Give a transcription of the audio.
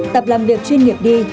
tập làm việc chuyên nghiệp đi